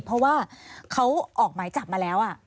เพราะว่าเขาออกหมายจับมาแล้ว